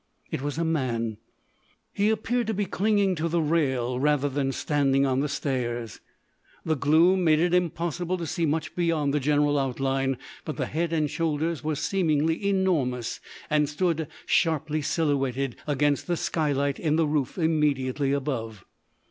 It was a man. He appeared to be clinging to the rail rather than standing on the stairs. The gloom made it impossible to see much beyond the general outline, but the head and shoulders were seemingly enormous, and stood sharply silhouetted against the skylight in the roof immediately above.